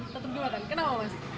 tetap dimakan kenapa mas